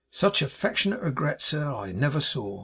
'Such affectionate regret, sir, I never saw.